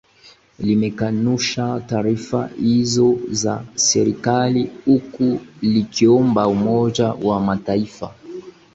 limekanusha taarifa hizo za serikali huku likiomba umoja wa mataifa